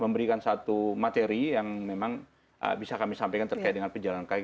memberikan satu materi yang memang bisa kami sampaikan terkait dengan pejalan kaki